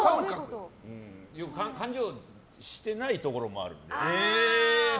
勘定してないところもある。